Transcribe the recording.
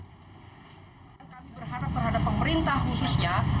kami berharap terhadap pemerintah khususnya